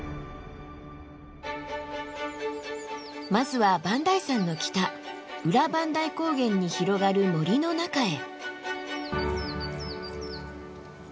まずは磐梯山の北裏磐梯高原に広がる森の中へ。